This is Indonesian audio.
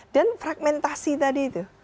dan fragmentasi tadi itu